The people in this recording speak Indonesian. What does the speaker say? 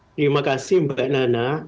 terima kasih mbak nana